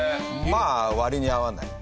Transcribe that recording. まあ割に合わない。